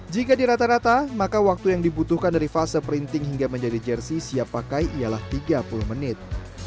jika dirata rata maka waktu yang dibutuhkan dari fase printing hingga menjadi jersi siap pakai ialah tiga puluh menit